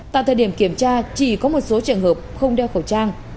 tại thời điểm kiểm tra chỉ có một số trường hợp không đeo khẩu trang